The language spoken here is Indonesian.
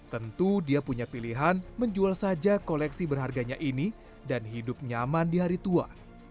tentu dia punya pilihan menjual saja koleksi berharganya ini dan hidup nyaman di hari tua